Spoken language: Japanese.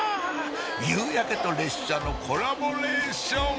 夕焼けと列車のコラボレーション！